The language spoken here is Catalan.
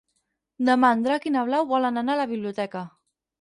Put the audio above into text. Demà en Drac i na Blau volen anar a la biblioteca.